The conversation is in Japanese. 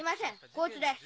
こいつです。